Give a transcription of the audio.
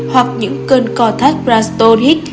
hoặc những cơn co thắt grass stone hit